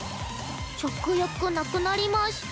食欲なくなりました。